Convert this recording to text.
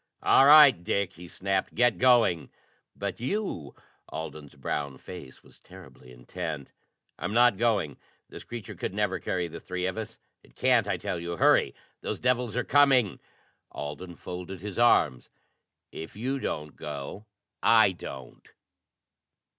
"All right, Dick," he snapped. "Get going!" "But you?" Alden's brown face was terribly intent. "I'm not going! This creature could never carry the three of us. It can't, I tell you! Hurry, those devils are coming!" Alden folded his arms. "If you don't go, I don't."